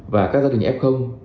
và các gia đình f